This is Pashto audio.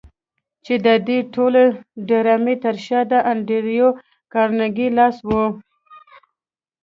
چې د دې ټولې ډرامې تر شا د انډريو کارنګي لاس و.